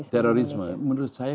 terorisme menurut saya